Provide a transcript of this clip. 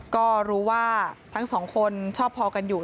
ก็รู้ว่าทั้งสองคนชอบพอกันอยู่